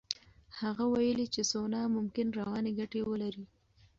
هغه ویلي چې سونا ممکن رواني ګټې ولري.